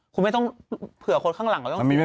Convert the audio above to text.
คุณไม่ต้องเผื่อคนข้างหลังเราต้อง